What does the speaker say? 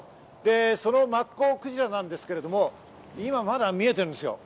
そのマッコウクジラなんですけれども、今まだ見えておりますよ。